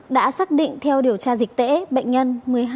đã xác định theo điều tra dịch tễ bệnh nhân một mươi hai bốn trăm ba mươi bảy